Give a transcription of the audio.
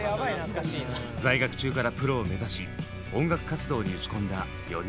在学中からプロを目指し音楽活動に打ち込んだ４人。